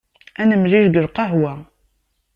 Ad nemlil deg lqahwa!